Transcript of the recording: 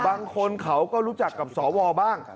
บางคนเขาก็รู้จักกับสวบ้าง